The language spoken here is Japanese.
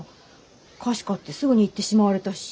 菓子買ってすぐに行ってしまわれたし。